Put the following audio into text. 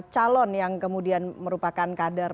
calon yang kemudian merupakan kader